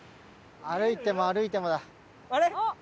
歩いても歩いてもだ。